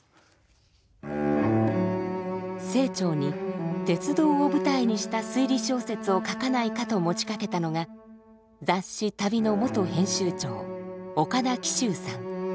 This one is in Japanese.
清張に鉄道を舞台にした推理小説を書かないかと持ちかけたのが雑誌「旅」の元編集長岡田喜秋さん。